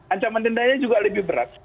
ancaman dendanya juga lebih berat